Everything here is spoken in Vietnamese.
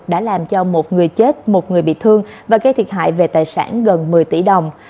đã làm cho một người chết một người bị thương và gây thiệt hại về tài sản gần một mươi tỷ đồng